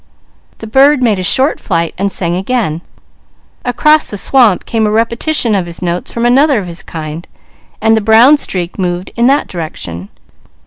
The bird made a short flight and sang again. Across the swamp came a repetition of his notes from another of his kind, so the brown streak moved in that direction.